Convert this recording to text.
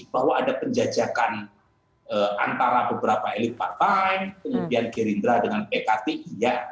bahwa ada penjajakan antara beberapa elit partai kemudian gerindra dengan pkti iya